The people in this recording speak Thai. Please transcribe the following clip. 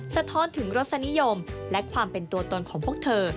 สะท้อนถึงรสนิยมและความเป็นตัวตนของพวกเธอ